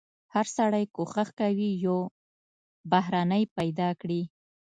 هر سړی کوښښ کوي یو بهرنی پیدا کړي.